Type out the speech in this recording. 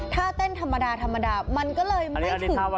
ถ้าเต้นธรรมดามันก็เลยไม่ถึงใจ